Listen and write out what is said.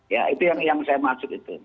ya itu yang saya maksud itu